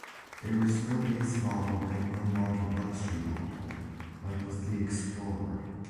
There is no base model and no moderate luxury model, like with the Explorer.